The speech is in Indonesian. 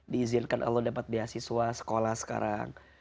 diizinkan allah dapat beasiswa sekolah sekarang